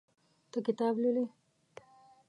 ته کتاب لولې.